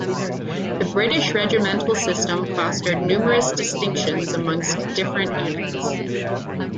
The British regimental system fostered numerous distinctions amongst different units.